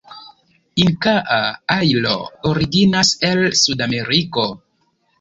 Inkaa ajlo originas el Sudameriko.